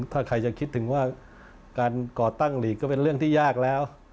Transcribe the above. ถ้าใครจะคิดถึงว่าการก่อตั้งหลีกก็เป็นเรื่องที่ยากแล้ว